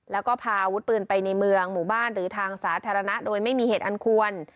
แล้วก็พาอาวุธปืนไปในเมืองหมู่บ้านหรือทางสาธารณะโดยไม่มีเหตุอันควร